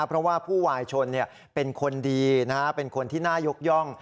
เพราะว่าผู้วายชนเป็นคนดีเป็นคนที่น่ายกย่อง